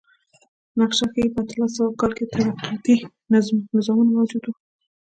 نقشه ښيي په اتلس سوه کال کې طبقاتي نظامونه موجود و.